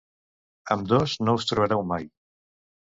Ambdós no us trobareu mai.